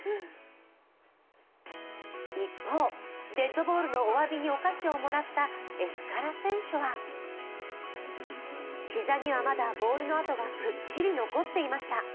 一方、デッドボールのおわびにお菓子をもらったエスカラ選手は膝にはまだボールのあとがくっきり残っていました。